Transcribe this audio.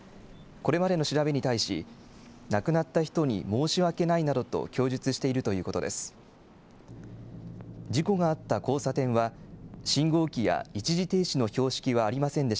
これまでの調べに対し、亡くなった人に申し訳ないなどと供述しているということです。